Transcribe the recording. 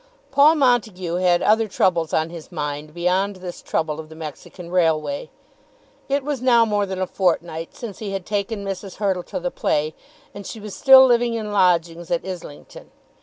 Paul Montague had other troubles on his mind beyond this trouble of the Mexican Railway. It was now more than a fortnight since he had taken Mrs. Hurtle to the play, and she was still living in lodgings at Islington.